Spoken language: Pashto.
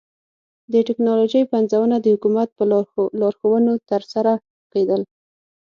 د ټکنالوژۍ پنځونه د حکومت په لارښوونه ترسره کېدل